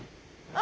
あ！